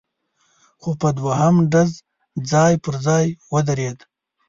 خو په دوهم ډز ځای پر ځای ودرېده،